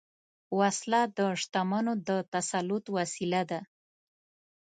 وسله د شتمنو د تسلط وسیله ده